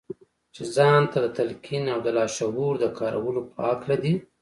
چې ځان ته د تلقين او د لاشعور د کارولو په هکله دي.